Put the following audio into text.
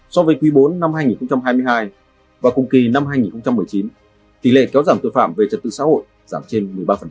so với quý bốn năm hai nghìn hai mươi hai và cùng kỳ năm hai nghìn một mươi chín tỷ lệ kéo giảm tội phạm về trật tự xã hội giảm trên một mươi ba